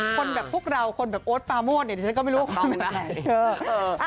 คนกับพวกเราคนแบบโอ๊ดปามวดเนี่ยฉันก็ไม่รู้ว่าความแบบไหน